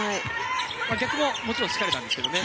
逆ももちろんしかりなんですけどね。